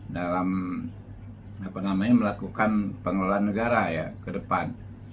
dalam melakukan pengelolaan negara ya ke depan